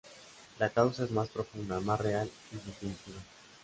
La causa es más profunda, más real y definitiva.